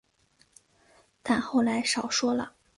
但后来少说了